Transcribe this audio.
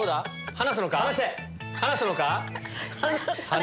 離すのか？